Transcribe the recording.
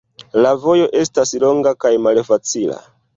La vojo estas longa kaj malfacila.